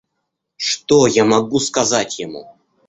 Что я могу сказать ему?